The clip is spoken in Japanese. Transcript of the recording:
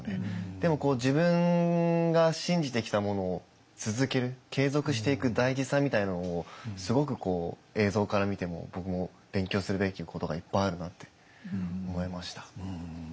でも自分が信じてきたものを続ける継続していく大事さみたいなものをすごく映像から見ても僕も勉強するべきことがいっぱいあるなって思いました。